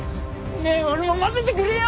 ねえ俺も交ぜてくれよ！